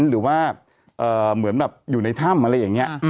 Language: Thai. หรือว่าเหมือนแบบอยู่ในถ้ำอะไรอย่างนี้